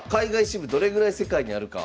どれぐらい世界にあるか山口さん。